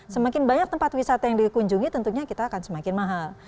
semakin banyak tempat wisata yang dikunjungi tentunya kita akan semakin mahal